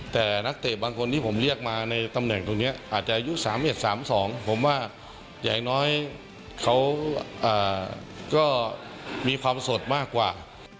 แต่นักเตะบางคนที่ผมเรียกมาในตำแหน่งตรงนี้อาจจะอายุ๓๑๓๒ผมว่าอย่างน้อยเขาก็มีความสดมากกว่า